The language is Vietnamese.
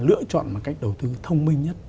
lựa chọn một cách đầu tư thông minh nhất